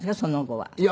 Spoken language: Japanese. はい。